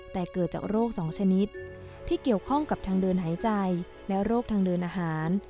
แต่เกิดจากโรคสองชนิดที่เกี่ยวข้องกับทางเดินหายใจและโรคทางเดินอาหาร